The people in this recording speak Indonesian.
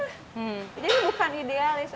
jadi bukan idealis